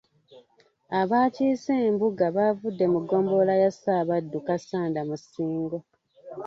Abaakiise embuga baavudde mu ggombolola ya Ssaabaddu Kassanda mu Ssingo.